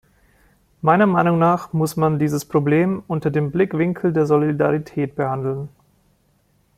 Meiner Meinung nach muss man dieses Problem unter dem Blickwinkel der Solidarität behandeln.